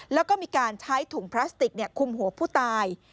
แล้วก็มีการใช้ถุงพลาสติกคุมหัวผู้ตาย